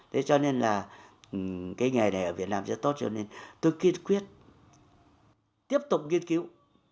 thế cho nên là cái nghề này ở việt nam rất tốt cho nên tôi kiên quyết tiếp tục nghiên cứu